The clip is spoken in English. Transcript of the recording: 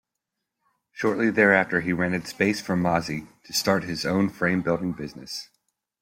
Shortly thereafter he rented space from Masi to start his own frame-building business.